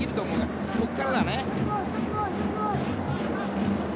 ここからだね。